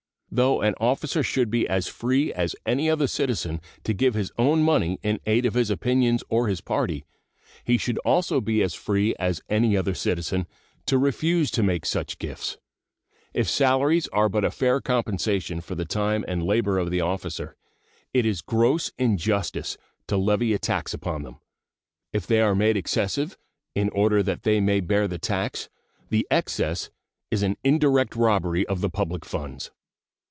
Though an officer should be as free as any other citizen to give his own money in aid of his opinions or his party, he should also be as free as any other citizen to refuse to make such gifts. If salaries are but a fair compensation for the time and labor of the officer, it is gross injustice to levy a tax upon them. If they are made excessive in order that they may bear the tax, the excess is an indirect robbery of the public funds.